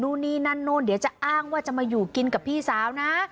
นู่นนี่นั่นนู่นเดี๋ยวจะอ้างว่าจะมาอยู่กินกับพี่สาวนะ